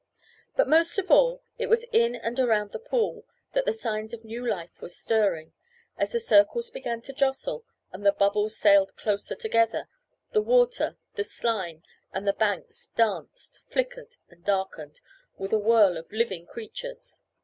But, most of all, it was in and around the pool that the signs of new life were stirring. As the circles began to jostle, and the bubbles sailed closer together, the water, the slime, and the banks, danced, flickered, and darkened, with a whirl of living creatures.